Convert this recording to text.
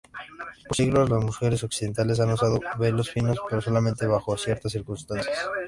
Por siglos, las mujeres occidentales han usado velos finos, pero solamente bajo ciertas circunstancias.